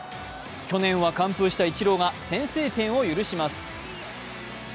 去年は完封したイチローが先制点を許します。